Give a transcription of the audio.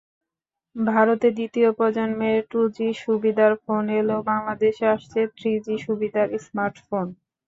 ভারতে দ্বিতীয় প্রজন্মের টুজি সুবিধার ফোন এলেও বাংলাদেশে আসছে থ্রিজি সুবিধার স্মার্টফোন।